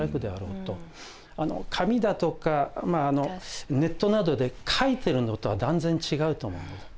紙だとかネットなどで書いてるのとは断然違うと思うので。